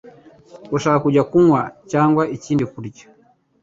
Urashaka kujya kunywa cyangwa ikindi kurya?